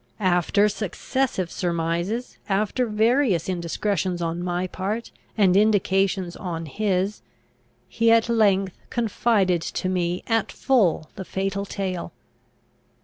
After successive surmises, after various indiscretions on my part, and indications on his, he at length confided to me at full the fatal tale!